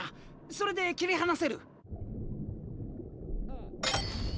それで切り離せる。